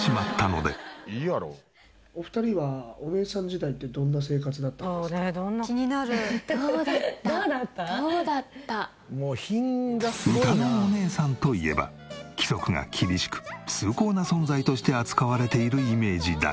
お二人はうたのおねえさんといえば規則が厳しく崇高な存在として扱われているイメージだが。